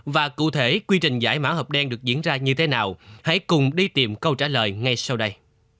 và cụ thể quy trình giải mã hộp đen được diễn ra như thế nào hãy cùng đi tìm câu trả lời ngay sau đây